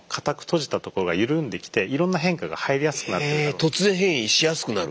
へ突然変異しやすくなる？